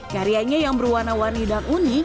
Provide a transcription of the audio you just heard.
karyanya yang berwarna warni dan unik